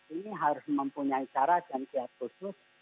ini harus mempunyai cara dan kiat khusus